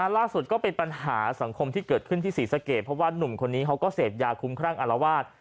ก็เป็นปัญหาสังคมที่เกิดขึ้นที่ศรีสะเกดเพราะว่านุ่มคนนี้เขาก็เสพยาคุ้มครั่งอารวาส